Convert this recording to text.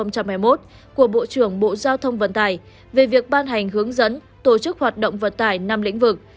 bộ trưởng bộ giao thông vận tải về việc ban hành hướng dẫn tổ chức hoạt động vận tải năm lĩnh vực